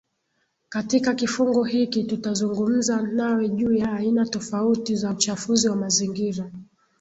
Katika kifungu hiki tutazungumza nawe juu ya aina tofauti za uchafuzi wa mazingira